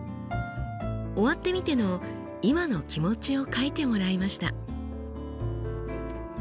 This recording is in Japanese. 終わってみての今の気持ちを書いてもらいました。